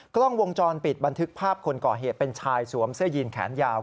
กล้องวงจรปิดบันทึกภาพคนก่อเหตุเป็นชายสวมเสื้อยีนแขนยาว